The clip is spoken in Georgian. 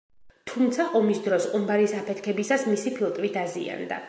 თუმცა, ომის დროს ყუმბარის აფეთქებისას, მისი ფილტვი დაზიანდა.